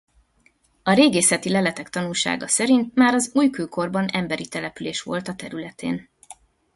A régészeti leletek tanúsága szerint már az újkőkorban emberi település volt a területén.